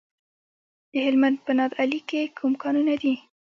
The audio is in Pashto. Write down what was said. د هلمند په نادعلي کې کوم کانونه دي؟